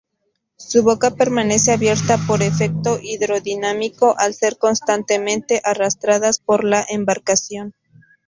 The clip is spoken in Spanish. Su boca permanece abierta por efecto hidrodinámico al ser constantemente arrastradas por la embarcación.